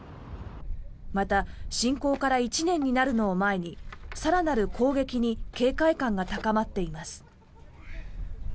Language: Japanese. また侵攻から１年になるのを前に更なる攻撃に警戒感が高まっています。